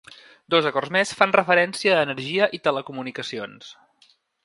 Dos acords més fan referència a energia i telecomunicacions.